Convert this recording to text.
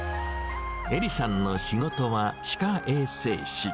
エリさんの仕事は歯科衛生士。